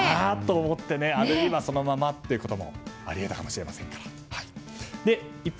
あるいはそのままということもあり得たかもしれませんからね。